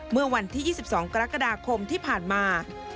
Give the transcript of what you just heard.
เมื่อวันที่๒๒กรกฎาคมที่ผ่านมา